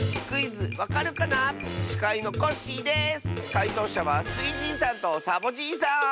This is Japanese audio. かいとうしゃはスイじいさんとサボじいさん！